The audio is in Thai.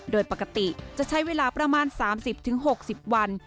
โดยปกติจะใช้เวลาประมาณ๓๐๖๐วัน